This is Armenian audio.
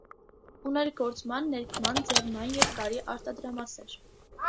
Ուներ գործման, ներկման, ձևման և կարի արտադրամասեր։